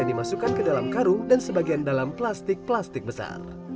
uang uang itu dimasukkan ke dalam karung dan sebagian dalam plastik plastik besar